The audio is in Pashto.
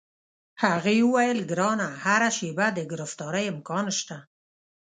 هغې وویل: ګرانه، هره شیبه د ګرفتارۍ امکان شته.